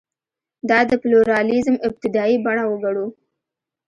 دا د پلورالېزم ابتدايي بڼه وګڼو.